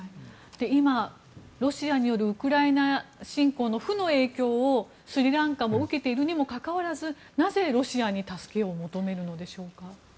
今、ロシアによるウクライナ侵攻の負の影響をスリランカも受けているにもかかわらずなぜロシアに助けを求めるのでしょうか。